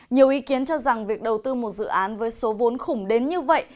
nhiều ý kiến cho rằng việc đầu tư một dự án với số vốn khủng đến như vậy